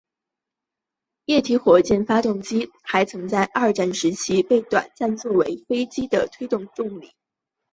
液体火箭发动机还曾在二战时期被短暂作为飞机的推进动力。